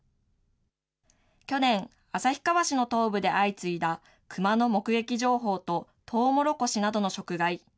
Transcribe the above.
去年、旭川市の東部で相次いだクマの目撃情報と、トウモロコシなどの食害。